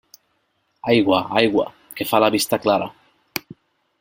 Aigua, aigua, que fa la vista clara.